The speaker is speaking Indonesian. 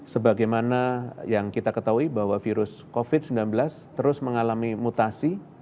sebagaimana yang kita ketahui bahwa virus covid sembilan belas terus mengalami mutasi